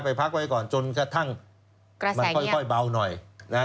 ไปพักไว้ก่อนจนกระทั่งกระแสเงียบมันค่อยค่อยเบาหน่อยนะฮะ